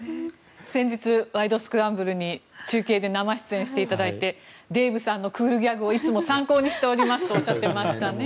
先日「ワイド！スクランブル」に中継で生出演していただいてデーブさんのクールギャグをいつも参考にしておりますとおっしゃっていましたね。